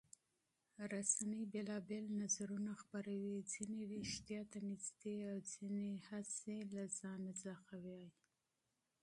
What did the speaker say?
رسنۍ بېلابېل نظرونه خپروي، ځینې واقعيت ته نږدې او ځینې مبالغه وي.